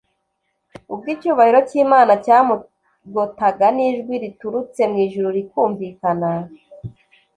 . Ubwo icyubahiro cy’Imana cyamugotaga, n’ijwi riturutse mw’ijuru rikumvikana